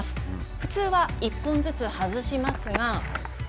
普通は１本ずつ外しますが。